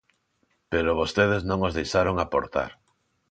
Pero vostedes non os deixaron aportar.